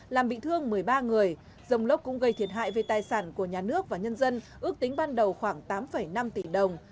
làm bị thương một mươi ba người rông lốc cũng gây thiệt hại về tài sản của nhà nước và nhân dân ước tính ban đầu khoảng tám năm tỷ đồng